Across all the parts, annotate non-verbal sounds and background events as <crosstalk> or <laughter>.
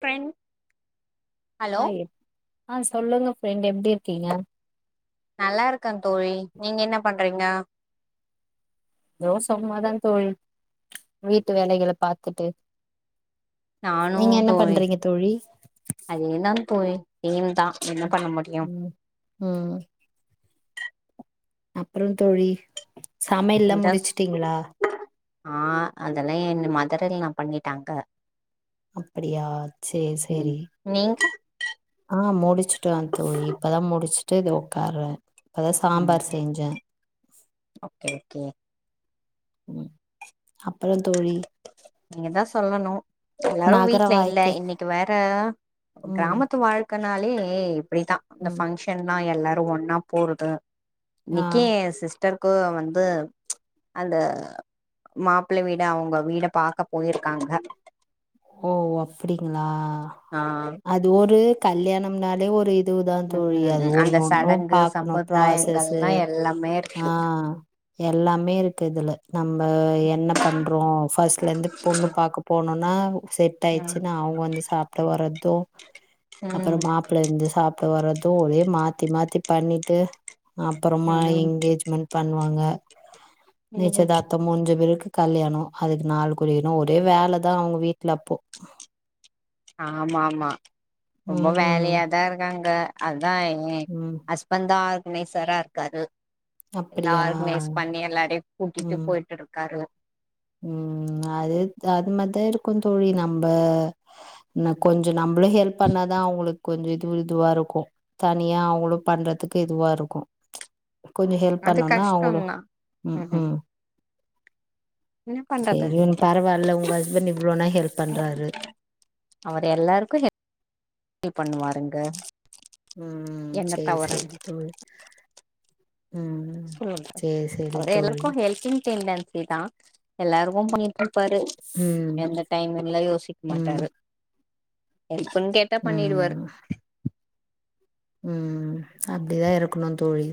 ப்ரென் ஆ எ ஆ சொல்லுங்க ஃப்ரெண்ட் எப்டி இருக்கீங்க நல்லாருக்கே தோழி நீங்க என்ன பண்றீங்க நா சும்மாதா தோழி வீட்டு வேலைகள பாத்துட்டு நீங்க என்ன பண்றீங்க தோழி அதே தா தோழி வீண் தா என்ன பண்ண முடியு ம் அப்புறோ தோழி சமையல்ல்லா ஜஸ் முடுச்சுட்டீங்களா ஆ அதெல்லா என்ன மதர்இன்ல்லா பண்ணிட்டாங்க அப்படியா செரி ம் செரி நீங்க ஆ முடிச்சுட்டே தோழி இப்பதா முடிச்சுட்டு இது உட்காறே இப்பதா ம் சாம்பார் செஞ்சே ஓகே ஓகே ம் அப்புறோ தோழி நீங்க தா சொல்லணு எல்லாரு நகர வீட்ல இல்ல வாழ்க்கை இன்னைக்கு வேற ம் கிராமத்து வாழ்க்கனாலே இப்படித்தா இந்த ம் ஃபங்க்ஷன்னா எல்லாரு ஒன்னா போறது ஆ இன்னைக்கு எ சிஸ் டர்க்கு வந்து அந்த மாப்பிளை வீட அவுங்க வீட பாக்க போயிருக்காங்க ஓ அப்டிங்ளா ஆ ஆ அது ஒரு கல்யாணம்னாலே ஒரு இதுதா தோழி அது ம் அந்த ஒண்ணு ஒண்ணும் சடங்கு பாக்கணு ப்ராசஸஸ்சு சம்பிரதாயங்கள்லா எல்லாமே ஆ இருக்கு எல்லாமே இருக்கு இதுல நம்ம என்ன பண்றோ ஃபர்ஸ்ட்ல இருந்து பொண்ணு பாக்க போனோனா செட் ம் ட்டாயிச்னா அவுங்க வந்து சாப்ட வரது அப்றோ ம் மாப்ள வந்து சா ப்ட வரது ஒரே மாத்தி மாத்தி பண்ணிட்டு அப்பறமா ம் எங்கேஜ்மெண்ட் பண்வாங்க ம் நிச்சயதார்த்தம் முஞ்ச பிறகு கல்யாணோ அதுக்கு நாள் குறிக்கணு ஒரே வேலதா அவுங்க வீட்ல அப்போ ஆமாமா ரொம்ப ம் ம் வேலையாதா இருக்காங்க அதா ஏ ம் ஹஸ் வந்து ஆர்கனைசரா இருக்காரு எல்லா அப்படியா ஆர்கனைஸ் பண்ணி எல்லாரையு கூட்டிட்டு ம் போயிட்டு இருக்காரு ம் அது அது மாதா இருக்கு தோழி நம்ப இன்னு கொஞ்சோ நம்மளு ஹெல்ப் பண்ணாதா அவுங்களுக் கொஞ் இது இதுவா இருக்கு தனியா அவுங்களு பண்றதுக்கு இதுவா இருக்கு கொஞ்சோ ஹெல்ப் அது பண்ணுனா அவுங்களு கஷ்டந்தா ம் ம் என்ன பண்றது சேரி ஒன்னு பரவால்ல உங்க ஹஸ்பண்ட் இவ்ளோனா ஹெல்ப் பண்றாரு அவரு எல்லாருக்கு ஹெ <inaudible> பண்ணுவாருங்க ம் என்ன சேர் தவற சேரி தோழி ம் சொல்லுங்க சேரி சேரி அவரு தோழி எல்லாருக்கு ஹெல்பிங் டென்டென்சி தா எல்லாருக்கு பண்ணிட்ருப்பாரு ம் எந்த டைம் யெல்லா யோசிக்க ம் மாட்டாரு ஹெல்ப்புன் கேட்டா பண்ணிருவாரு ம் ம் அப்டிதா இருக்கணு தோழி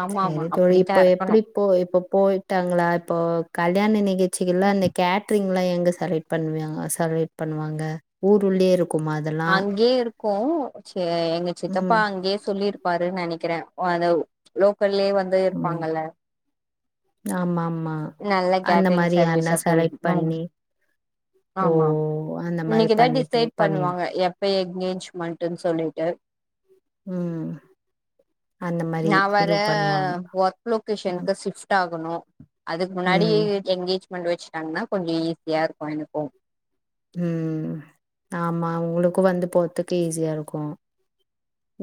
ஆமா ஆமா சேரி தோழி அப்படித்தா இப்ப இருக்கணு எப்டி போ இப்போ போயிட்டாங்ளா இப்போ கல்யாண நிகழ்ச்சிகள்ல அந்த கேட் ரிங்லா எங்க செலக்ட் பண்வியாங் செலக்ட் பண்ணுவாங்க ஊருள்ளயே இரு அங்கேயே இருக்கு செ எங்க சித்தப்பா ம் அங்கேயே சொல்லிரு பாருன் நெனைக்கிறே அந்த லோக்கல்லயே வந்து இருப்பாங்கல்ல ஆமாமா நல்ல கேட்ரிங் சர்வீஸா சொல் பண்ணி ஓ ஆமா அந்த மாரி இன்னைக்குதா பண்ணிட்டு டிசைட் பண்ணிரு பண்ணுவாங்க எப் ப எங்கேஜ்மண்ட்டுன் சொல்லிட்டு ம் அந்த மாரி நா வேற இது பண்ணுவாங்க ஒர்க் ம் லொகேஷன்க்கு ஷிஃப் ட்டாகனு அதுக் முன்னாடி ம் எ எங்கேஜ்மெண்ட் வெச்ட்டாங்னா கொஞ்சோ ஈஸியா இருக்கு எனக்கு ம் ஆமா உங்களுக்கு வந்து போறதுக்கு ஈஸியா இருக்கு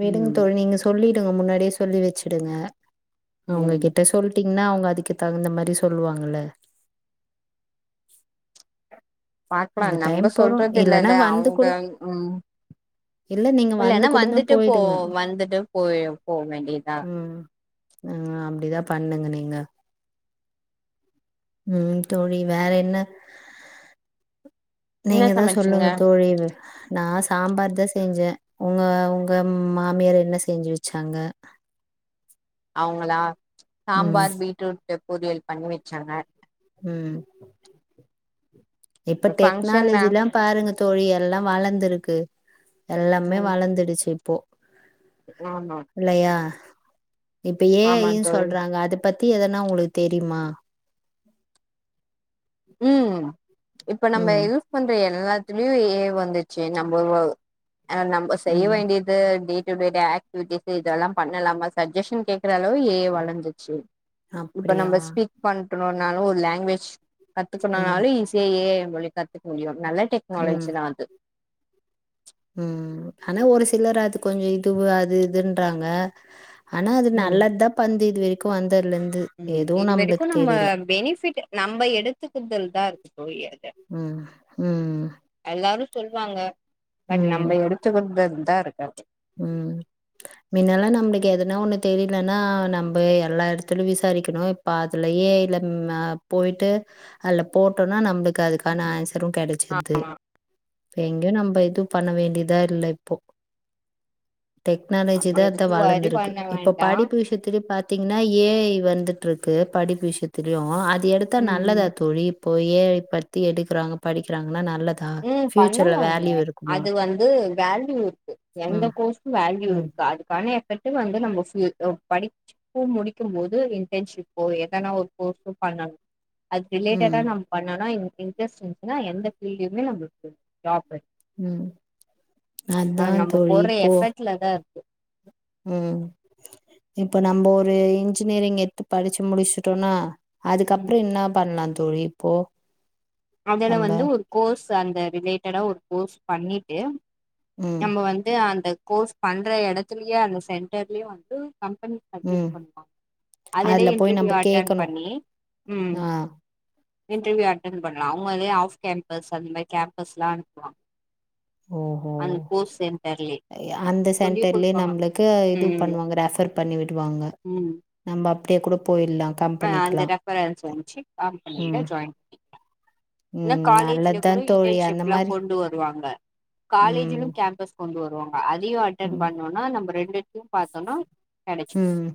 விடுங்க ம் தோழி நீங்க சொல்லிடுங்க முன்னாடியே சொல்லி வச்சிடுங்க ம் அவுங்ககிட்ட சொல் ட்டீங்னா அவுங்க அதுக்கு தகுந்த மாரி சொல்வாங்கல்ல பாக்கலா அந்த டைம் நம்ம போறோ சொல்றது இல்லனா இல்லல்ல வந்து அவங்க கூட ம் இல்ல நீங்க வந்து இல்லன்னா கூட தா வந்துட்டு போயி போ வந்துட்டு போய் போ வேண்டியதா ம் நீங்க அப்டிதா பண்ணுங்க நீங்க ம் தோழி வேற என்ன என்ன நீங்க எதோ சமைச்சீங்க சொல்லுங்க தோழி நா சாம்பாரு தா செஞ்சே உங்க உங்க மாமியாரு யென்ன செஞ்சு வெச்சாங்க அவுங்களா ம் சாம்பார் பீட்ரூட்ல பொரியல் பண்ணி வெச்சாங்க ம் இப்ப ஒரு ஃபங்க்ஷன் தா டெக்னாலஜில்லா பாருங்க தோழி யெல்லா வளர்ந்துருக்கு யெல்லாமே வளர்ந்துடுச்சு இப்போ நோ நோ இல்லையா இப்ப ஏ ஐ ஆமா ன்னு தோழி சொல்றாங்க அத பத்தி எதனா உங்களுக்கு தெரியுமா ம் இப்ப நம்ம ம் யூஸ் யூஸ் பண்ற யெல்லாத்துலயு ஏ ஐ வந்துச்சு நம்ப நம்ப செய்ய ம் வேண்டிய து டேடு டேட்டு எக்டிவிடிஸ் இதெல்லா பண்ணலாமா சஜ்ஜசன் கேட் க்கிற அளவு ஏ ஐ வளந்துச்சு இப்ப அப்டியா நம்ம ஸ்பீக் பண்றனாலு ஒரு லாங்குவேஜ் ம் கத்துக்கணுனாலு ஈஸியா ஏ ஐ மொழி கத்துக்க முடியு நல்ல ம் டெக்னாலஜி தா அது ம் ஆனா ஒரு சிலர் அது கொஞ்சோ இது அது இதுன்றாங்க ஆனா அது ம் நல்லது தா பந்து இது வரைக்கு வந்ததுல இருந்து ம் இதுவரைக்கும் நம்ம பெனிஃபிட் நம்ப எடுத்துக்குதல் தா இருக்கு தோழி அது ம். ம் எல்லாரு சொல்லுவாங்க பட் ம். நம்ப எடுத்துக்கிறது தா இருக்கு ம் மின்னலா நம்ளுக்கு எதனா ஒண்ணு தெரியனுன்னா நம்ம எல்லா எடத்லயு விசாரிக்கணு ப்ப அதுலயே இல்ல மெ பொய்ட்டு அதுல போட்டோனா நம்ளுக் அதுக்கான ஆன்சரும் கெடைச்சுருது ஆமா இப்ப எங்கயு நம்ம இது பண்ண வேண்டியதா இல்ல இப்போ டெக்னாலஜி ஆமா தா தா எதுக்கு வரி வாழந்ருக்கு பண்ண இப்ப வேண்டா படிப்பு விஷயத்லயு பாத் திங்ன்னா ஏ ஐ வந்துட்டுருக்கு படிப்பு விஷயத்லயு அது எடுத்தா ம் நல்லதா தோழி இப்போ ஏ ஐ பத்தி எடுக்றாங்க படிக்றாங்கன்னா நல்ல ம் பண்ணலாங்க அது வந்து வேல்யூ இருக்கு எந்த ம் கோர்ஸுக்கு வேல்யூ ம் இருக்கு அதுக்கான எஃபெக்ட் வந்து நம படி கு முடிக்கு போது இன்டர்ன்ஷிப்போ எதனா ஒரு கோர்ஸோ பண்ணணு அது ரிலேட்டடா ம் நம்ம பண்ணோனா எங்க இன்ட்ரஸ்ட் இருந்துச்சுன்னா எந்த ஃபீல்ட்லுமே நம்ளுக்கு ஜாப் ம் அதா தோழி இப்போ லதா இருக்கு ம் இப்ப நம்ம ஒரு இன்ஜினியரிங் எட்த்து படிச்சு முடிச்சுட்டோனா ம் அதுக்கப்ரோ என்ன பண்லா தோழி இப்போ அதுல நம்ம வந்து ஒரு கோர்ஸ் அந்த ரிலேட்டடா ஒரு கோர்ஸ் பண்ணிட்டு ம் நம்ம வந்து அந்த கோர்ஸ் பண்ற எடத்துலயே அந்த சென்டர்லயே வந்து கம்பெனி அது ம் பண்லா அதுல அதுலயே போய் நம்ம இன்டர்வியூ அட்டன் கேக்கணு பண்ணி ம் ஆ இன்டர்வியூ அட்டென் பண்ணலா அவுங்களே ஆஃப் கேம்பஸ் அந்த மாரி கேம்பஸ்லா அனுப்புவாங்க ஓஹோ அந்த கோஸ் சென்டர்லே அந்த சென்டர்லயே நம்பளுக்கு இது ம் பண்ணுவாங்க ரெஃபர் பண்ணி விடுவாங்க ம் நம்ம அப்டியே கூட பொய்ட்லா ஆ அந்த ரெஃபரன்ஸ் வந்துச்சு காபி ம் பண்ணிட்டு ஜாயின் பண்ணிக்லா இல்ல ம் காலேஜ்லியோ நல்லதுதா கூட தோழி அந்த இன்டர்ன்ஷிப்லா மாரி கொண்டு வருவாங்க ம் காலேஜிலியு கேம்பஸ் கொண்டு வருவாங்க அதையு அட்டன் ம் பண்ணோன்னா நம்ம ரெண்டுத்தையு பாத்தோனா ம்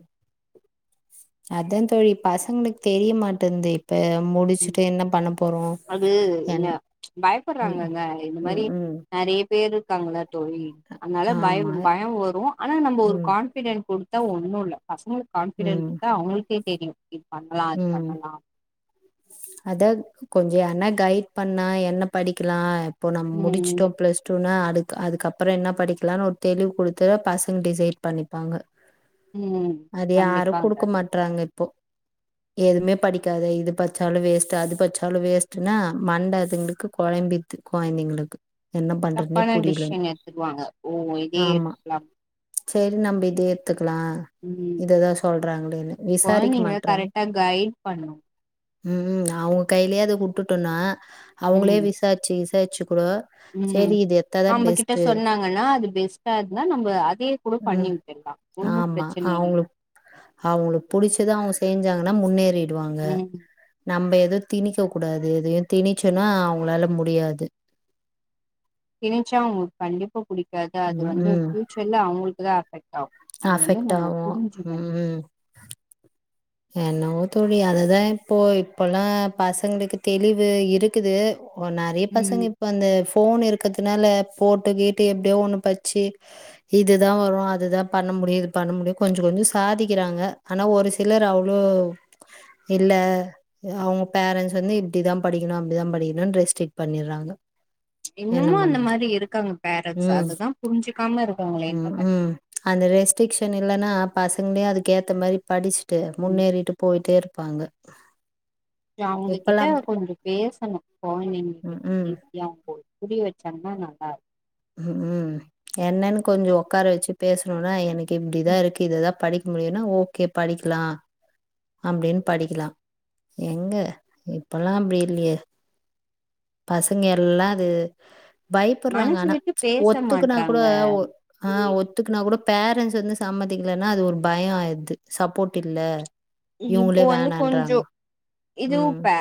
அதா தோழி பசங்ளுக்கு தெரியமாட்டேங்து இப்போ முடிச்சுட்டு என்ன பண்ண போறோ அது என்ன என் ம் பயப்படுறாங்கங்க இந்த ம் மாரி ம் நெறைய பேரு இருக்காங்கள தோழி அதனால பயம் ஆமா பயோ வரு ஆனா நம்ம ஒரு ம் கான் பிடெண்ட் குடுத்தா ஒன்னுல்ல பசங்களுக்கு கான்பிடென்ட் ம் குடுத்தா அவங்களுக்கே தெரியு இது பண்ணலா அது ம் பண்ணலா அதா கொஞ்ஜோ யாருன்னா கைட் பண்ணா என்ன படிக்லா இப்போ நம்ம ம் முடிச்சுட்டோ ப்ளஸ் ட்டுனா அதுக்கு அதுக்கப்ரோ என்ன படிக்கலான்னு ஒரு தெளிவு குடுத்த பசங்க டிசைட் பண்ணிப்பாங்க ம் அது யாரு கண்டிப்பாங்க குடுக்க மாட்றாங்க இப்போ எதுவுமே படிக்காத இது பட்சாலு வேஸ்ட்டு அது பட்ச்சாலு வேஸ்ட்டுன்னா மண்ட அதுங்களுக்கு கொழம்பி த்து கொயந்தைங்களுக்கு தப்பான டிஸிஸன் எடுத்துர்வாங்க ஓ இதே ஆமா எடுத்துக்லா சரி நம்ம இத ஏட்த்துக்கலா ம் இததா சொல்றாங்களேன்னு விசாரிக்க கொழந்தைங்கள மாட் கரெக்டா கைட் பண்ணு ம் ம் அவுங்க கைய்லியே அத வுட்டுட்டோன்னா அவங்ளே ம் விச சாரிச்சு விசாரிச்சு கூட ம் சேரி இது எத்தாதா நம்ம கிட்ட பெஸ்ட்டு சொன்னாங்கன்னா அது பெஸ்ட்டா இருந்தா நம்ம அதே கூட பண்ணி ம் விட்டுலா ஒன்னு பிரச்சன இல்லையே அவுங்ளுக்கு புடிச்சதா அவுங்க செஞ்சாங்கன்னா முன்னேறிடுவாங்க ம் நம்ம எது திணிக்க கூடாது எதையு திணிச்சோன்னா அவங்ளால முடியாது திணிச்சா அவுங்களுக்கு கண்டிப்பா புடிக்காது அது ம் வந்து ம் ஃபியூச்சர்ல அவுங்களுக்கு தா அஃபெக்ட் ஆகு அது வந்து அஃபெக்ட் நம்ம ஆவு புரிஞ்சி ம் பன்னி ம் என்னவோ தோழி அதுதா இப்போ இப்பொல்லா பசங்ளுக்கு தெளிவு இருக்குது ஓ நெறைய பசங்க ம் இப்ப அந்த போன் இருக்கதுனால போட்டு கீட்டு எப்டியோ ஒண்ணு படிச்சு இதுதா வரு அதுதா பண்ண முடியு இது பண்ண முடியு கொஞ்ஜோ கொஞ்ஜோ சாதிக்கறாங்க ஆனா ஒரு சி லர் அவ்ளோ இல்ல அவங்க பேரன்ட்ஸ் வந்து இப்படிதா படிக்கணு அப்படிதா படிக்கணுனு ரெஸ்ட்ரிக்ட் பண்ணிறாங்க என்ன இன்னுமு அந்த பண்றது மாரி இருக்காங்க பேரண்ட்ஸ் ம் அதுதா புரிஞ்சிக்காம இருக்காங்களே ம் <unintelligible> ம் அந்த ரெஸ்ட்ரிக்ஷன் இல்லன்னா பசங்களே அதுக்கேத்த மாரி படிச்சுட்டு ம் முன்னேறிட்டு போயிட்டே இருப்பாங்க இப்பல்லா அவங்ககிட்ட கொஞ்ச பேசணு கொழந்தைங்க ம் கிட்ட ம் பேச <unintelligible> போ புரிய வச்சாங்கன்னா நல்லாருக்கு ம் ம் என்னன்னு கொஞ்ச உக்கார வச்சு பேசணும்னா எனக்கு இப்படிதா இருக்கு இததா படிக் முடியும்னா ஓகே படிக்கலா அப்டின் படிக்கலாஎங்க இப்பல்லா அப்டி இல்லையே பசங்க எல்லா அது பயப்படுறாங்க மனசு ஆனா விட்டு பேச ஒத்துக்குனா கூட மாட்றாங்க ஒ ஆ தோழி ஒத் த்துக்குனா கூட பேரண்ஸ் வந்து சம்திக்கலன்னா அது ஒரு பய ஆது சப்போர்ட் இல்ல இப்போ இவங்களே வந்து கொஞ்சோ வேணான்றாங்க இதுவு ம் பே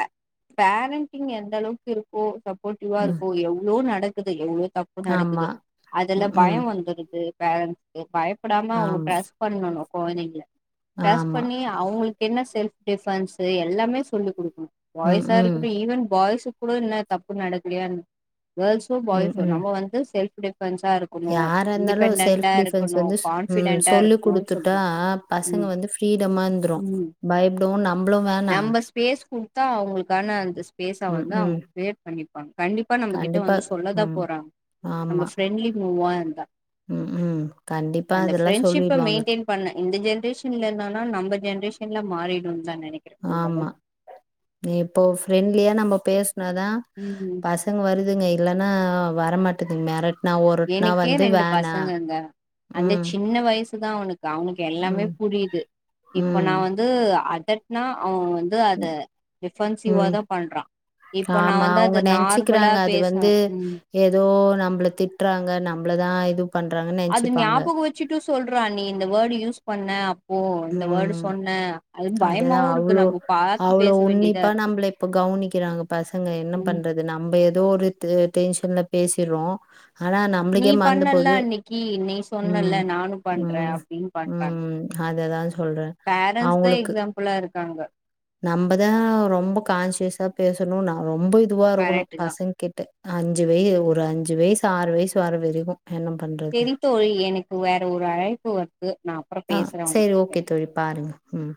பேரண்டிங் எந்த அளவுக்கு இருக்கோ போட்டிவ்வா ம் இருக்கு எவ்வளோ நடக்குது எவ்வளோ தப்பு ஆமா நடக்குது அதுல பய ம்ஹூம் வந்துடுது பேரன்ஸ்க்கு பயப்படாம அவுங்க ஆமா, ட்ரஸ் பண்ணு கொழந்தைங்கல ட்ரஸ் ஆமா. பண்ணி அவுங்களுக்கு என்ன செல்ப் டிஃபன்ஸ் எல்லாமே சொல்லிக் குடுக்கணு ம், பாய்ஸா ம், இருக்கட்டு ஈவன் பாய்ஸ் கூடன தப்பு நடக்கலயா கேர்ள்ஸோ ம், பாய்ஸோ ம். நம்ம வந்து செல் டிஃபன்ஸா இரு யாரா இருந்தாலு செல்ஃப் டிஃபென்ஸ் வந்து சு ம் கான்ஃபிடென்டா சொல்லிக் இருக்கணுனு குடுத்துட்டா சொல்றோ பசங்க ம் வந்து ப்ரீடமா இருந்ரு ம் பயப்டவு நம்மளு வேணா நம்ம ஸ்பேஸ் குடுத்தா அவங்களுக்கான அந்த பேஸ ம், வந்து அவுங்க ம். க்ரியேட் பண்ணிப்பாங்க கண்டிப்பா நம்ம கிட்ட கண்டிப்பா. வந்து சொல்லதா ம். போறாங்க நம்ம ஆமா. ஃப்ரெண்ட்லி நோவா எந்தா ம் ம் கண்டிப்பா அதெல்லா ஃப்ரெண்ட்ஷிப்ப சொல்லிட்வாங்க மெயின்டெயின் பண்ண இந்த ஜென்ரேஷன்ல இல்லனால நம்ம ஜென்ரேஷன்ல மாறிடும் தா நெனைக் ஆம்மா நீ இப்போ ஃப்ரெண்ட்லியா நம்ம பேஸ்னாதா ம் ஹு பசங்க வருதுங்க இல்லன்னா வரமாட்டேதுங்க மேரட் எனக்கே ரெண்டு பசங்கங்க அந்த ம், சின்ன வயசுதா அவனுக்கு அவனுக்கு எல்லாமே ம், புரியுது ம் இது அதட்னா அவ வந்து அத டிபன்சிவ ம். தா பண்றா இப்போ நா ஆமா வந்து அவங்க அது நார்மலா நெசன்சிக்கிறாங்க அது பேசணு வந்து ம் ஏதோ நம்மள திட்றாங்க நம்மள தா இது பண்றாங்கன்னு அது நெனச்சுப்பாங்க. ஞாபக வச்சுட்டு சொல்றா நீ இந்த வேடு யூஸ் பண்ண ஓ இந்த ம். வேடு சொன்ன அது பயமாவு அதுதான் அவ்ளோ இருக்கு நம்ம பாத்து அவ்ளோ பேச வேண்டியதா உன்னிப்பா இருக்கு நம்மள இப்ப கவனிக்கிறாங்க பசங்க என்ன ம் பண்றது நம்ம ஏதோ ஒரு டென்ஷன்ல பேசிற்றோ ஆனா நீ நம்ளுக்கே மறந்து பண்ணல போது அன்னைக்கு நீ ம் சொன்னல நானு பண்றே ம் அப்டின்னு பண்றாங்க ம் அத தா சொல்றே அவங்களுக்கு ப்ள்ளா இருக்காங்க நம்மதா ரொம்ப கான்சியஸா பேசணு ந ரொம்ப இதுவா இருக்கணு கரெக்ட் தா பசங்க கேட்ட அஞ்சு வயு ஒரு அஞ்சு வயசு ஆறு வயசு வர வரைக்கு என்ன பண்ற சரி தோழி எனக்கு வேற ஒரு அழைப்பு வருது நா அப்பற ஆ பேசுற சரி ஓகே தோழி பாருங்க ம்